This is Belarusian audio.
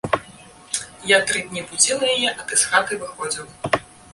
Я тры дні будзіла яе, а ты з хаты выходзіў.